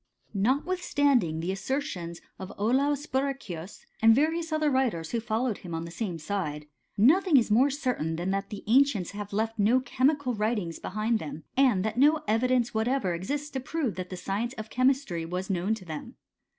Notwithstanding the assertions of Olaus Borri chius, and various other writers who followed him on the same side, nothing is more certain than that the ancients have left no chemical writings behind them, and that no evidence whatever exists to prove that the science of chemistry was known to them.